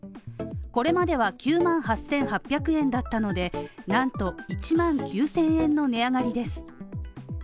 これまでは９万８８００円だったのでなんと１万９０００円の値上がりです。